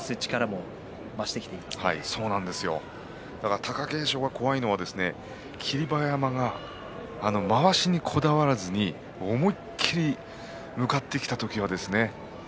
今日、貴景勝が怖いのは霧馬山がまわしにこだわらずに思い切り向かってきた時はですね